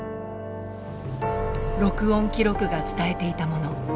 録音記録が伝えていたもの。